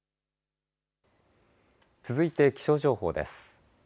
続いて気象情報です。